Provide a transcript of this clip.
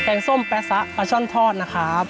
งส้มแป๊ซะปลาช่อนทอดนะครับ